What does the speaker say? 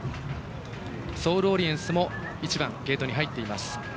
ソールオリエンスも１番、ゲートに入っています。